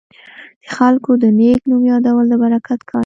د خلکو د نیک نوم یادول د برکت کار دی.